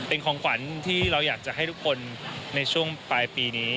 เป็นของขวัญที่เราอยากจะให้ทุกคนในช่วงปลายปีนี้